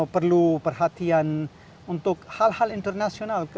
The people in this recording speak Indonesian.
perlu perhatian untuk hal hal internasional